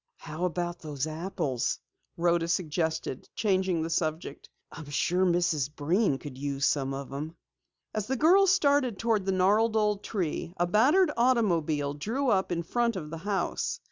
"How about those apples?" Rhoda suggested, changing the subject. "I'm sure Mrs. Breen could use some of them." As the girls started toward the gnarled old tree, a battered automobile drew up in front of the house.